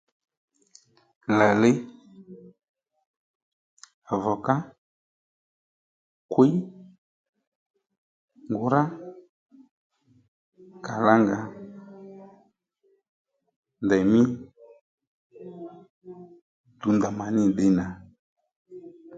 Làliy vòká kwíy ngòwrá kalanga ndèymí tǔwnda má nyi nì bbǐnà